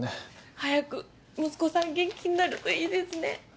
早く息子さん元気になるといいですね。